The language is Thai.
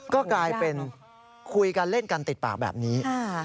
ก็กลายเป็นคุยกันเล่นกันติดปากแบบนี้